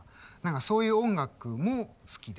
そういう音楽も好きで。